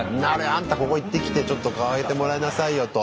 「あんたここ行ってきてちょっと変えてもらいなさいよ」と。